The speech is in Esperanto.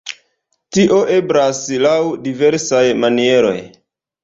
Tio eblas laŭ diversaj manieroj.